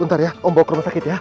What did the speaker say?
bentar ya om bawa ke rumah sakit ya